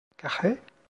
Kahve?